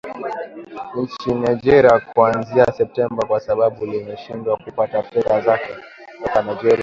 nchini Nigeria kuanzia Septemba kwa sababu limeshindwa kupata fedha zake kutoka Nigeria